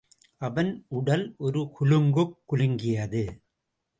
அவன் உடல் ஒரு குலுங்குக் குலுங்கியது.